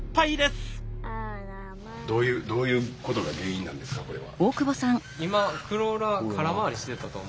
どういうことが原因なんですかこれは。